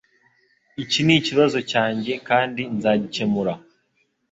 Iki nikibazo cyanjye kandi nzagikemura.